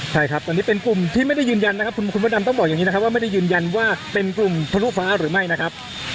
ใช่ครับตอนนี้เป็นกลุ่มที่ไม่ได้ยืนยันนะครับคุณพระดำต้องบอกอย่างนี้นะครับว่าไม่ได้ยืนยันว่าเป็นกลุ่มทะลุฟ้าหรือไม่นะครับ